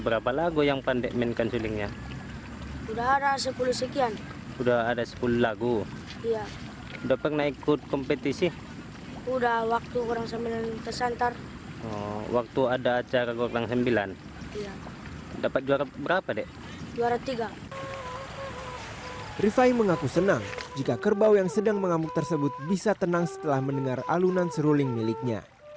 rifai mengaku senang jika kerbau yang sedang mengamuk tersebut bisa tenang setelah mendengar alunan seruling miliknya